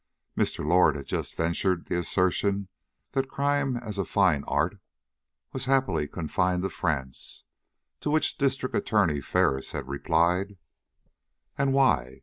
Mr. Lord had just ventured the assertion that crime as a fine art was happily confined to France; to which District Attorney Ferris had replied: "And why?